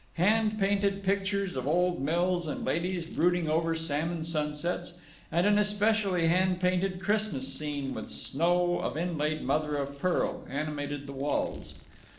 Hand painted pictures of old mills and ladies brooding over salmon sunsets, and an especially hand painted Christmas scene with snow of inlaid mother of pearl, animated the walls.